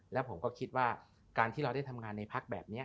แล้วผมก็คิดว่าการที่เราได้ทำงานในพักแบบนี้